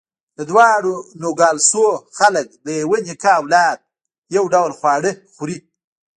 د دواړو نوګالسونو خلک د یوه نیکه اولاد، یو ډول خواړه خوري.